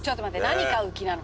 何買う気なの？